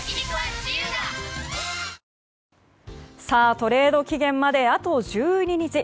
トレード期限まであと１２日。